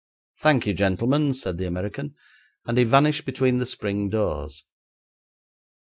'Thank you, gentlemen,' said the American, as he vanished between the spring doors.